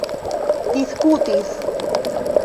diskutis